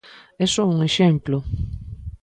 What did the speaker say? É só un exemplo...